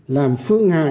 làm phương hại